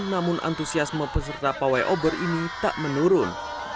namun antusiasme peserta pawai obor ini tak menurun